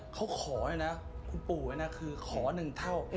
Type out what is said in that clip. เขาขอไอ้น่ะคุณปู่คือขอหนึ่งเท่า